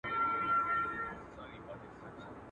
موج دي کم دریاب دي کم نهنګ دي کم..